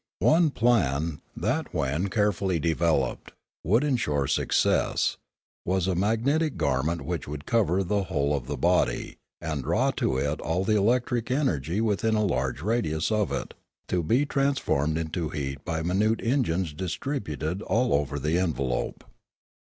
One plan, that, when carefully developed, would ensure success, was a mag netic garment which would cover the whole of the body and draw to it all the electric energy within a large radius of it, to be transformed into heat by minute en gines distributed all over the envelope.